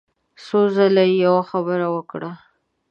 څو ځله يې يوه خبره وکړه.